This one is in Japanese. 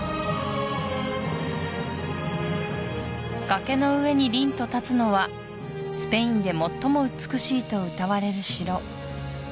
崖の上に凜と立つのはスペインで最も美しいとうたわれる城